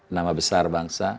nama besar bangsa